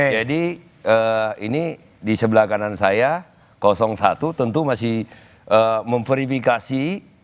jadi ini di sebelah kanan saya satu tentu masih memverifikasi